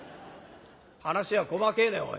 「話が細けえねおい」。